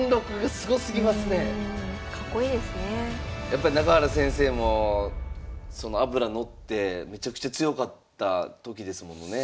やっぱ中原先生も脂乗ってめちゃくちゃ強かった時ですもんね。